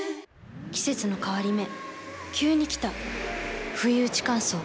季節の変わり目急に来たふいうち乾燥。